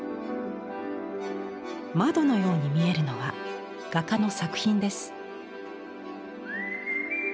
窓のように見えるのは画家の作品です。